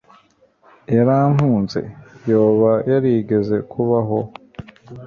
yarankunze? yoba yarigeze kubaho